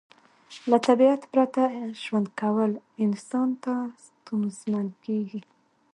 له طبیعت پرته ژوند کول انسان ته ستونزمن کیږي